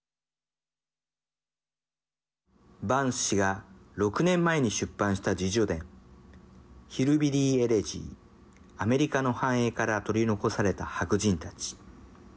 バンス氏が６年前に出版した自叙伝ヒルビリー・エレジーアメリカの繁栄から取り残された白人たち。